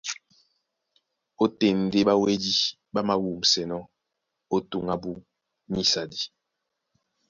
Ótên ndé ɓáwédí ɓá māwûmsɛnɔ́ ó tǔn ábú nísadi.